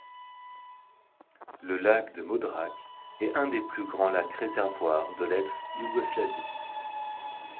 Le lac de Modrac est un des plus grands lacs réservoirs de l'ex-Yougoslavie.